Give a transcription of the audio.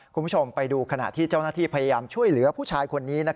คุณผู้ชมไปดูขณะที่เจ้าหน้าที่พยายามช่วยเหลือผู้ชายคนนี้